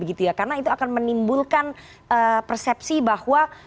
karena itu akan menimbulkan persepsi bahwa